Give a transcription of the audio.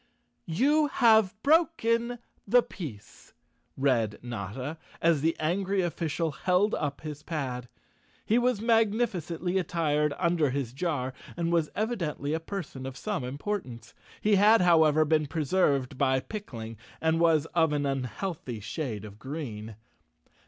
"You have broken the peace," read Notta, as the angry official held up his pad. He was magnificently attired under his jar and was evidently a person of some importance. He had, however, been preserved by pickling and was of an unhealthy shade of green.